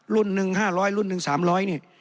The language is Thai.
หนึ่ง๕๐๐รุ่นหนึ่ง๓๐๐นี่